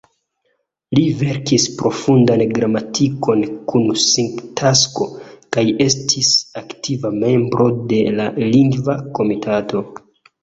Li verkis profundan gramatikon kun sintakso kaj estis aktiva membro de la Lingva Komitato.